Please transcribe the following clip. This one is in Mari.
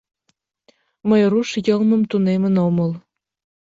— Мый руш йылмым тунемын омыл.